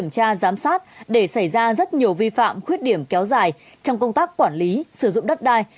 giám sát để xảy ra rất nhiều vi phạm khuyết điểm kéo dài trong công tác quản lý sử dụng đất đai